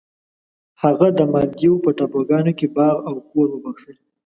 هغه د مالدیو په ټاپوګانو کې باغ او کور وبخښی.